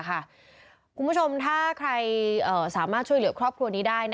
คุณผู้ชมถ้าใครสามารถช่วยเหลือครอบครัวนี้ได้